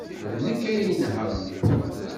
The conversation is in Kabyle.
D nekk ay inehhṛen.